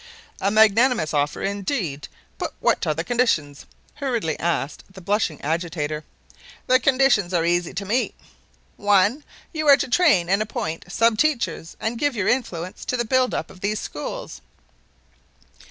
"A magnanimous offer indeed. But what are the conditions," hurriedly asked the blushing Agitator. "The conditions are easy to meet. "1. You are to train and appoint sub teachers and give your influence to the building up of these schools.